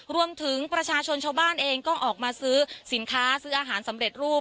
รวมถึงประชาชนชาวบ้านเองก็ออกมาซื้อสินค้าซื้ออาหารสำเร็จรูป